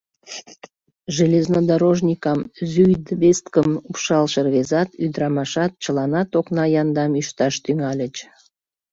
Железнодорожникам зюйдвесткым упшалше рвезат, ӱдырамашат — чыланат окна яндам ӱшташ тӱҥальыч.